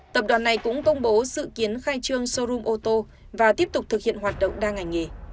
tập đoàn này cũng công bố dự kiến khai trương showroom ô tô và tiếp tục thực hiện hoạt động đa ngành nghề